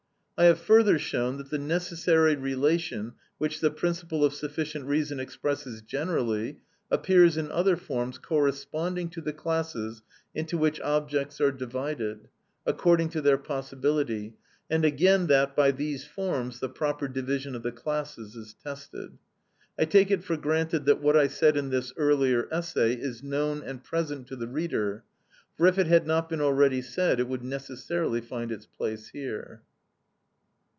I have further shown, that the necessary relation which the principle of sufficient reason expresses generally, appears in other forms corresponding to the classes into which objects are divided, according to their possibility; and again that by these forms the proper division of the classes is tested. I take it for granted that what I said in this earlier essay is known and present to the reader, for if it had not been already said it would necessarily find its place here.